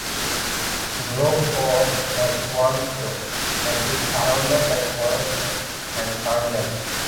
Grove Oak has one store, and is surrounded by forests and farmland.